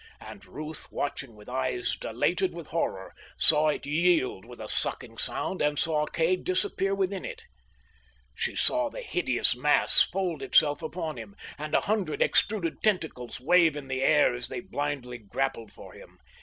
And Ruth, watching with eyes dilated with horror, saw it yield with a sucking sound, and saw Kay disappear within it. She saw the hideous mass fold itself upon him, and a hundred extruded tentacles wave in the air as they blindly grappled for him.